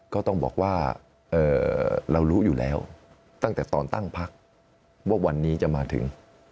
ก็ต้องบอกว่าเรารู้อยู่แล้วตั้งแต่ตอนตั้งพักว่าวันนี้จะมาถึง